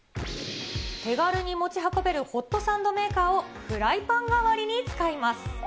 手軽に持ち運べるホットサンドメーカーをフライパン代わりに使います。